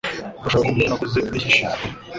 Urashaka kumva ibyo nakoze mu mpeshyi ishize?